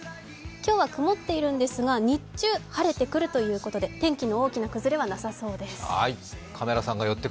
今日は曇っているんですが、日中晴れてくるということで天気の大きな崩れはなさそうです。